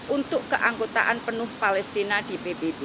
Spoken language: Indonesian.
untuk keanggotaan penuh palestina di pbb